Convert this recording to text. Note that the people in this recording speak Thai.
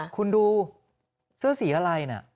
คุณดูเสื้อสีอะไรน่ะ